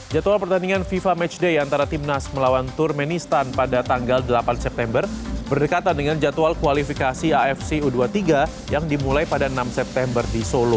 jadwal pertandingan fifa matchday antara timnas melawan turmenistan pada tanggal delapan september berdekatan dengan jadwal kualifikasi afc u dua puluh tiga yang dimulai pada enam september di solo